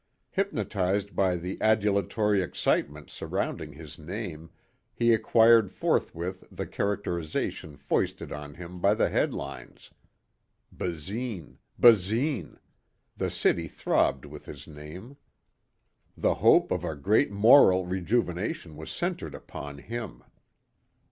Hypnotized by the adulatory excitement surrounding his name, he acquired forthwith the characterization foisted on him by the headlines. Basine ... Basine ... the city throbbed with his name. The hope of a great moral rejuvenation was centered upon him.